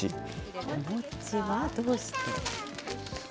お餅はどうして？